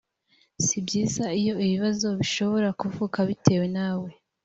si byiza iyo ibibazo bishobora kuvuka bitewe nawe